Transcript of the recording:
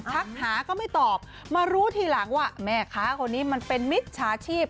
ทักหาก็ไม่ตอบมารู้ทีหลังว่าแม่ค้าคนนี้มันเป็นมิจฉาชีพ